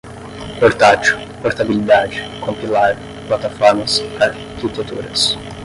portátil, portabilidade, compilar, plataformas, arquitecturas